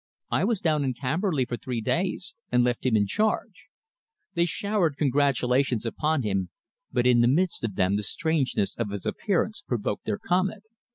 I was down in Camberley for three days and left him in charge." They showered congratulations upon him, but in the midst of them the strangeness of his appearance provoked their comment.